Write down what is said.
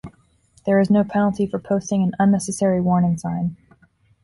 There is no penalty for posting an unnecessary warning sign.